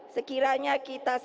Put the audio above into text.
sekiranya kita sendiri